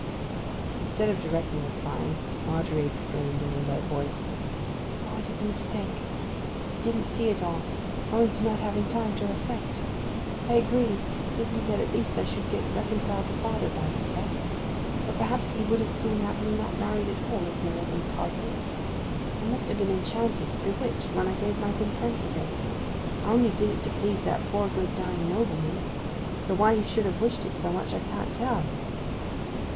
Instead of directly replying, Margery exclaimed in a low voice: 'O, it is a mistake—I didn't see it all, owing to not having time to reflect! I agreed, thinking that at least I should get reconciled to father by the step. But perhaps he would as soon have me not married at all as married and parted. I must ha' been enchanted—bewitched—when I gave my consent to this! I only did it to please that dear good dying nobleman—though why he should have wished it so much I can't tell!